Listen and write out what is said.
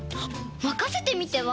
まかせてみては？